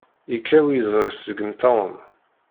Yekkaw yiẓri-s seg imeṭṭawen.